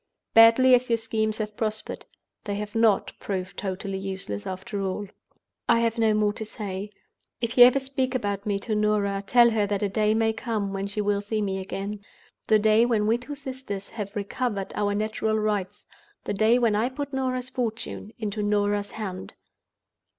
Badly as your schemes have prospered, they have not proved totally useless after all! "I have no more to say. If you ever speak about me to Norah, tell her that a day may come when she will see me again—the day when we two sisters have recovered our natural rights; the day when I put Norah's fortune into Norah's hand.